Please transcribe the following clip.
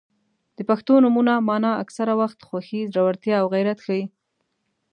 • د پښتو نومونو مانا اکثره وخت خوښي، زړورتیا او غیرت ښيي.